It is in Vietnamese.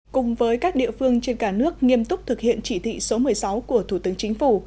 cùng với các địa phương trên cả nước nghiêm túc thực hiện chỉ thị số một mươi sáu của thủ tướng chính phủ